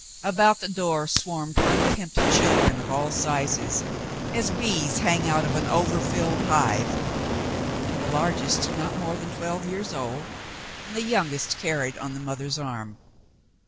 About the door swarmed unkempt children of all sizes, as bees hang out of an over filled hive, the largest not more than twelve years old, and the youngest carried on the mother's arm.